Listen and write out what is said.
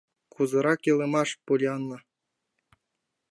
— Кузерак илымаш, Поллианна?